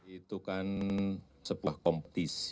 itu kan sebuah kompetisi